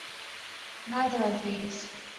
Neither of these.